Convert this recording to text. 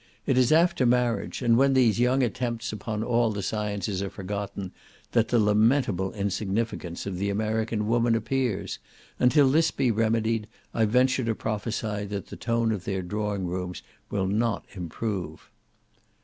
It is after marriage, and when these young attempts upon all the sciences are forgotten, that the lamentable insignificance of the American woman appears, and till this be remedied, I venture to prophesy that the tone of their drawing rooms will not improve.